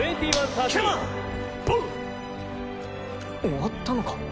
終わったのか？